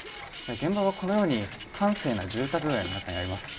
現場はこのように閑静な住宅街の中にあります